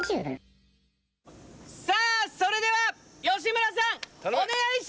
さあそれでは吉村さんお願いします！